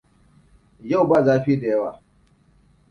Yau ba zafi da yawa.